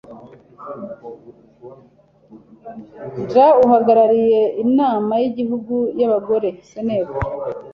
j. Uhagarariye Inama y’Igihugu y’Abagore (CNF);